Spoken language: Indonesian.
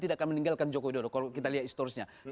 tidak akan meninggalkan joko widodo kalau kita lihat historisnya